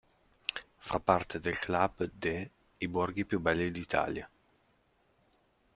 Fa parte del club de "I borghi più belli d'Italia".